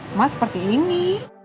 emas seperti ini